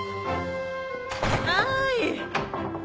はい。